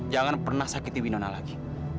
jangan pernah sakiti winona lagi